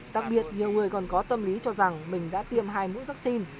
đặc biệt nhiều người còn có tâm lý cho rằng mình đã tiêm hai mũi vaccine